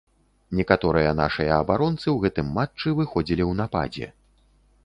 Некаторыя нашыя абаронцы ў гэтым матчы выходзілі ў нападзе.